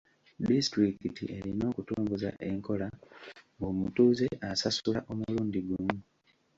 Disitulikiti erina okutongoza enkola ng'omutuuze asasula omulundi gumu.